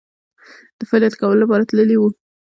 د فعالیت کولو لپاره تللي وو.